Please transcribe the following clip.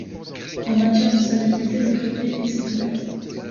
En matière de salubrité le préfet et ses poubelles.